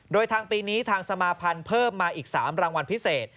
โดยทางปีนี้ทางสมาภัณฑ์เพิ่มมาอีก๓รางวัลพิเศษ